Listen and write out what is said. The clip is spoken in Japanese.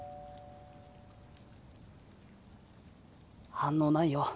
反応ないよ。